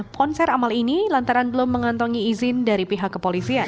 konser amal ini lantaran belum mengantongi izin dari pihak kepolisian